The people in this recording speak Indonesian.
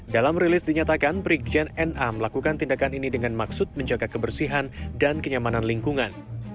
dalam rilis dinyatakan brigjen na melakukan tindakan ini dengan maksud menjaga kebersihan dan kenyamanan lingkungan